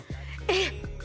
えっ！？